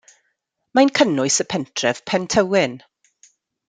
Mae'n cynnwys y pentref Pentywyn.